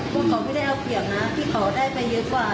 พวกเขาไม่ได้เอาเปรียบนะที่เขาได้ไปเยอะกว่า